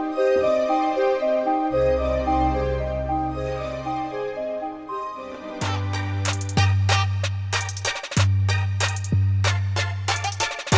yaudah balik ya